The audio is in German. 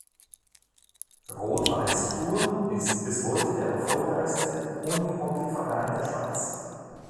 Rot-Weiss Chur ist bis heute der erfolgreichste Unihockeyverein der Schweiz.